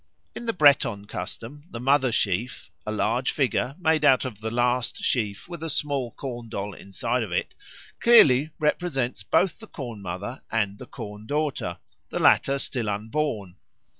In the Breton custom the mother sheaf a large figure made out of the last sheaf with a small corn doll inside of it clearly represents both the Corn mother and the Corn daughter, the latter still unborn.